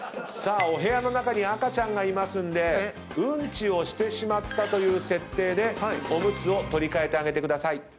お部屋の中に赤ちゃんがいますんでうんちをしてしまったという設定でオムツを取り換えてあげてください。